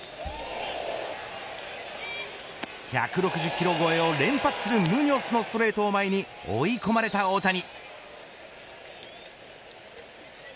１６０キロ超えを連発するムニョスのストレートを前に追い込まれた大谷。